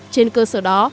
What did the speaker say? trên cơ sở đó